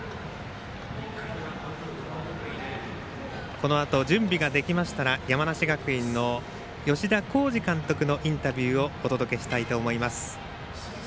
このあと準備ができましたら山梨学院の吉田洸二監督のインタビューをお届けしたいと思います。